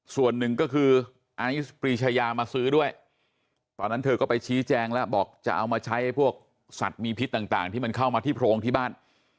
ส่วนหนึ่งก็คือไอซ์ปรีชายามาซื้อด้วยตอนนั้นเธอก็ไปชี้แจงแล้วบอกจะเอามาใช้พวกสัตว์มีพิษต่างที่มันเข้ามาที่โพรงที่บ้าน